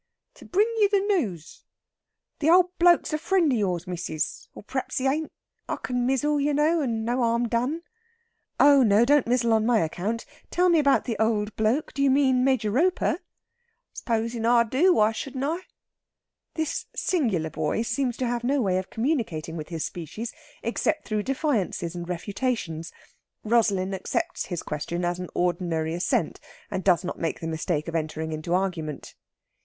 "To bring you the nooze. The old bloke's a friend of yours, missis. Or p'r'aps he ain't! I can mizzle, you know, and no harm done." "Oh no, don't mizzle on any account. Tell me about the old bloke. Do you mean Major Roper?" "Supposin' I do, why shouldn't I?" This singular boy seems to have no way of communicating with his species except through defiances and refutations. Rosalind accepts his question as an ordinary assent, and does not make the mistake of entering into argument.